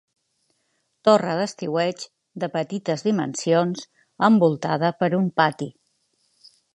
Torre d'estiueig de petites dimensions envoltada per un pati.